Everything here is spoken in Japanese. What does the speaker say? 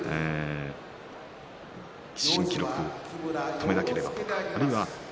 新記録を止めなければと。